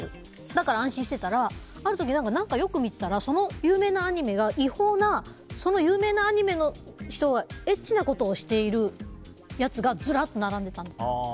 だから安心していたらある時、よく見てたらその有名なアニメが違法なその有名なアニメの人がエッチなことをしているやつがずらっと並んでたんです。